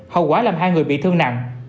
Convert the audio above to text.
hậu quả làm hai người bị thương nặng